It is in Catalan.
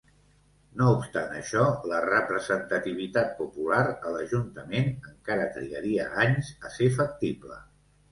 No obstant això, la representativitat popular a l'ajuntament encara trigaria anys a ser factible.